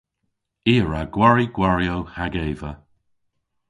I a wra gwari gwariow hag eva.